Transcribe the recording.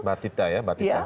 batita ya batita